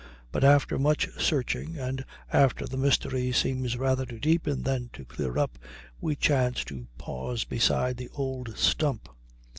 But after much searching, and after the mystery seems rather to deepen than to clear up, we chance to pause beside the old stump.